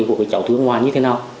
của cháu thước ngoài như thế nào